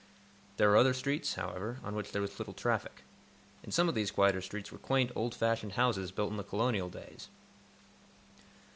There were other streets, however, on which there was little traffic. In some of these quieter streets were quaint, old fashioned houses built in the Colonial days.